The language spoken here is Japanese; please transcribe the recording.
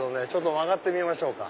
曲がってみましょうか。